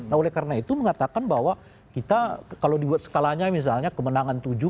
nah oleh karena itu mengatakan bahwa kita kalau dibuat skalanya misalnya kemenangan tujuh